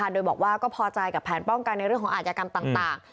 โดยบอกว่าก็พอใจกับแผนป้องกันในเรื่องของอาจยกรรมต่าง